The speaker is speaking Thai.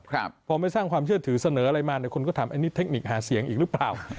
พอไม่สร้างความเชื่อถือเสนออะไรมาเนี่ยคนก็ถามอันนี้เทคนิคหาเสียงอีกหรือเปล่า